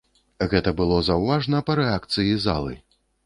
Гэта было заўважна па рэакцыі залы.